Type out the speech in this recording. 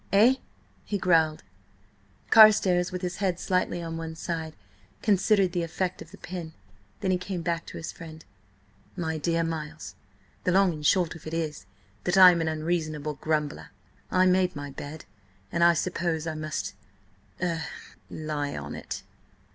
he growled. Carstares, with his head slightly on one side, considered the effect of the pin. Then he came back to his friend. "My dear Miles, the long and short of it is that I am an unreasonable grumbler. I made my bed, and I suppose I must–er–lie on it."